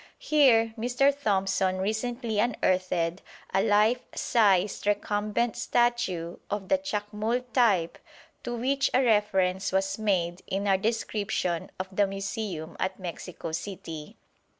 Here Mr. Thompson recently unearthed a life sized recumbent statue of the Chacmool type to which a reference was made in our description of the Museum at Mexico City.